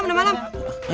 eh udah pulang yuk